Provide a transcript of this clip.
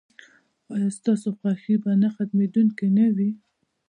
ایا ستاسو خوښي به نه ختمیدونکې نه وي؟